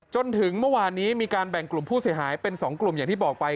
จนถึงเมื่อวานนี้มีการแบ่งกลุ่มผู้เสียหายเป็น๒กลุ่มอย่างที่บอกไป